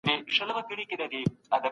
مور ته مي هم خبره ورسيده او راغله